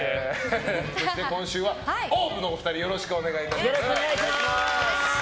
今週はＯＷＶのお二人よろしくお願いします。